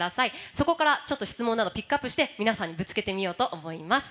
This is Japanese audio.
そこからちょっと質問などピックアップして皆さんにぶつけてみようと思います。